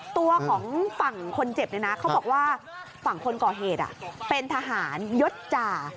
ตัวของฝั่งคนเจ็บเนี่ยนะเขาบอกว่าฝั่งคนก่อเหตุเป็นทหารยศจ่า